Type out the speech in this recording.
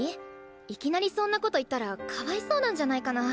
いきなりそんなこと言ったらかわいそうなんじゃないかな。